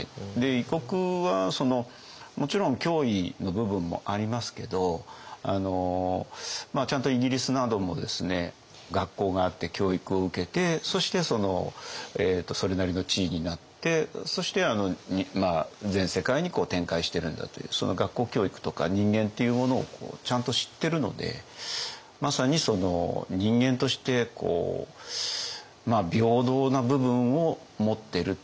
異国はもちろん脅威の部分もありますけどちゃんとイギリスなどもですね学校があって教育を受けてそしてそれなりの地位になってそして全世界に展開してるんだという学校教育とか人間っていうものをちゃんと知ってるのでまさに人間として平等な部分を持ってるっていうか